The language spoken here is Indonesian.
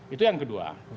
itu yang kedua